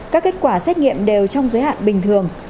các kết quả xét nghiệm đều trong giới hạn bình thường